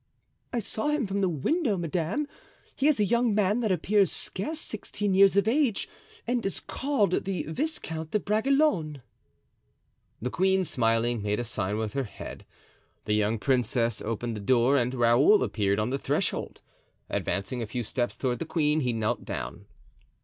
"I saw him from the window, madame; he is a young man that appears scarce sixteen years of age, and is called the Viscount de Bragelonne." The queen, smiling, made a sign with her head; the young princess opened the door and Raoul appeared on the threshold. Advancing a few steps toward the queen, he knelt down.